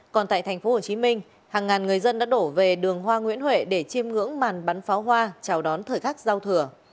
còn tại tp hcm hàng ngàn người dân đã đổ về đường hoa nguyễn huệ để chiêm ngưỡng màn bắn pháo hoa chào đón thời khắc giao thừa